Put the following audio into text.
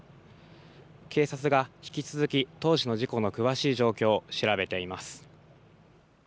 警察が引き続き当時の事故の詳しい状況を調べています。